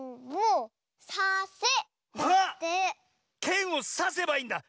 けんをさせばいいんだ！